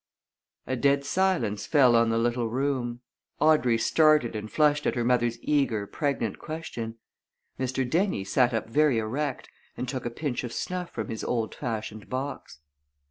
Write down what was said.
A dead silence fell on the little room. Audrey started and flushed at her mother's eager, pregnant question; Mr. Dennie sat up very erect and took a pinch of snuff from his old fashioned box.